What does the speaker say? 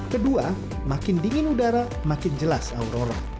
kedua makin dingin udara makin jelas aurora